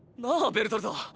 ベルトルト。